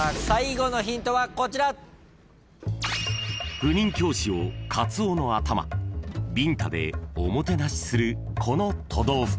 ［赴任教師をカツオの頭ビンタでおもてなしするこの都道府県］